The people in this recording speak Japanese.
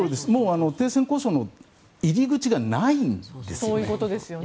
停戦交渉の入り口がないんですよね。